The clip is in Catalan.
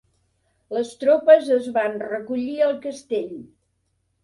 Les tropes es van recollir al castell.